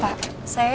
buat bingung ajak